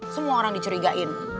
semua orang dicurigain